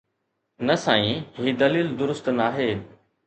نه سائين، هي دليل درست ناهي.